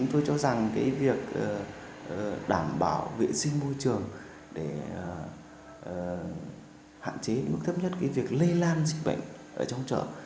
tôi cho rằng việc đảm bảo vệ sinh môi trường để hạn chế mức thấp nhất việc lây lan dịch bệnh